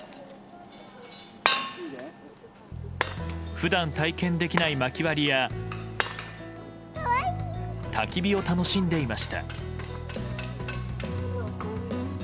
普段体験できないまき割りやたき火を楽しんでいました。